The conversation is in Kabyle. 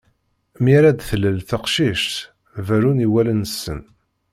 Mi ara d-tlal d teqcict, berrun i wallen-nsen.